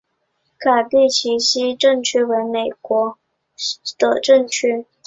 卡蒂奇希尔镇区为美国堪萨斯州马歇尔县辖下的镇区。